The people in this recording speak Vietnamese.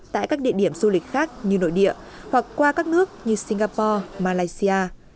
tại các địa điểm du lịch khác như nội địa hoặc qua các nước như singapore malaysia